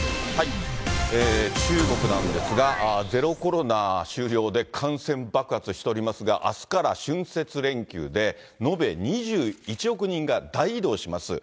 中国なんですが、ゼロコロナ終了で感染爆発しておりますが、あすから春節連休で、延べ２１億人が大移動します。